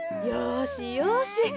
よしよし。